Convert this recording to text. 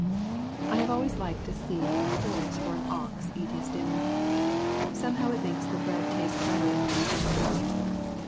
I have always liked to see a horse or an ox eat his dinner. Somehow it makes the bread taste better in one's own mouth.